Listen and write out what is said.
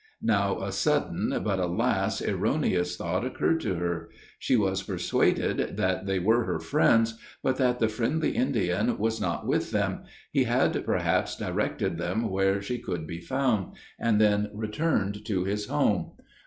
Now a sudden, but, alas! erroneous thought occurred to her. She was persuaded that they were her friends, but that the friendly Indian was not with them he had perhaps directed them where she could be found, and then returned to his home.